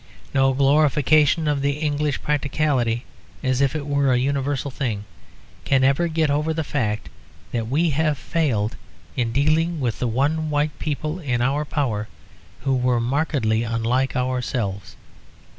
No glorification of the English practicality as if it were a universal thing can ever get over the fact that we have failed in dealing with the one white people in our power who were markedly unlike ourselves.